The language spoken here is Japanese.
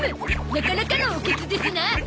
なかなかのおケツですな！